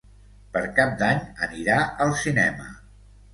Per Cap d'Any anirà al cinema.